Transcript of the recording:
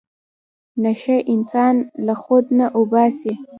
نشه انسان له خود نه اوباسي.